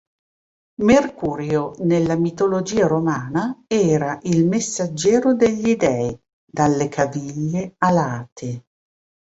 Mercurio, nella mitologia romana, era il messaggero degli dei, dalle caviglie alate.